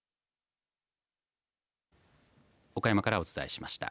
岡山からお伝えしました。